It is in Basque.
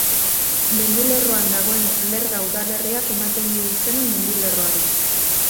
Mendilerroan dagoen Lerga udalerriak ematen dio izena mendilerroari.